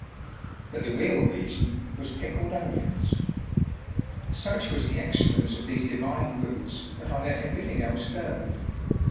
But the real reason was pickled onions. Such was the excellence of these divine roots that I let everything else go.